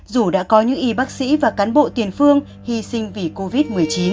dù đã có những y bác sĩ và cán bộ tiền phương hy sinh vì covid một mươi chín